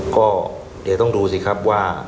ก็เดี๋ยวต้องดูสิครับว่า